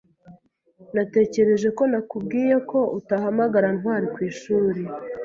Natekereje ko nakubwiye ko utahamagara Ntwali ku ishuri.